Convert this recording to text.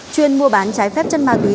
chuyên mua bán trái phép chân ma túy